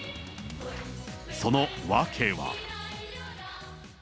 その訳は。